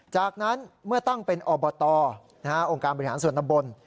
จากนั้นเมื่อตั้งเป็นอบตองค์การบริหารส่วนตำบล